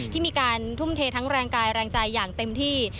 ที่มีการทุ่มเททั้งแรงกายแรงใจอย่างเต็มที่